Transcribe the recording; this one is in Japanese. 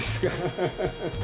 ハハハハハ。